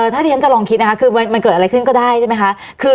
ถ้าที่ฉันจะลองคิดนะคะคือมันเกิดอะไรขึ้นก็ได้ใช่ไหมคะ